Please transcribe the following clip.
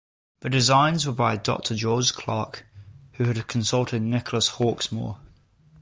The designs were by Doctor George Clarke, who had consulted Nicholas Hawksmoor.